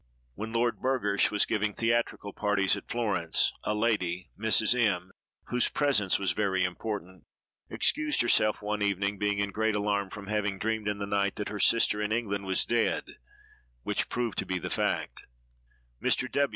When Lord Burghersh was giving theatrical parties at Florence, a lady (Mrs. M——, whose presence was very important) excused herself one evening, being in great alarm from having dreamed in the night that her sister, in England, was dead, which proved to be the fact. Mr.